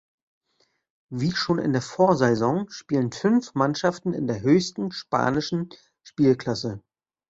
Wie schon in der Vorsaison spielen fünf Mannschaften in der höchsten spanischen Spielklasse.